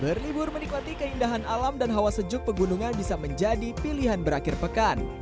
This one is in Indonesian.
berlibur menikmati keindahan alam dan hawa sejuk pegunungan bisa menjadi pilihan berakhir pekan